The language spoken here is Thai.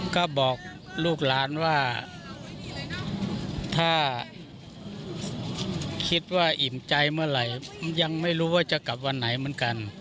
ก็บอกลูกหลานว่าถ้าคิดว่าอิ่มใจเมื่อไหร่ยังไม่รู้ว่าจะกลับวันไหนเหมือนกัน